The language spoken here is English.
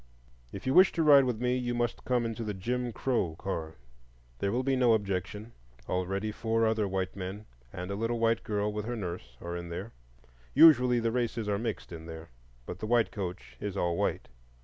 If you wish to ride with me you must come into the "Jim Crow Car." There will be no objection,—already four other white men, and a little white girl with her nurse, are in there. Usually the races are mixed in there; but the white coach is all white.